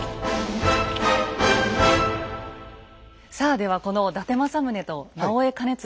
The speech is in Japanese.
さあではこの伊達政宗と直江兼続